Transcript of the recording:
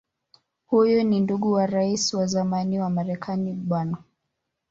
Huyu ni ndugu wa Rais wa zamani wa Marekani Bw.